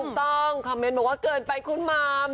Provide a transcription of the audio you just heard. ถูกต้องคอเมนต์บอกว่าเกินไปคุณมาม